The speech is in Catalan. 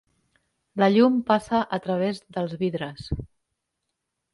La llum passa a través dels vidres.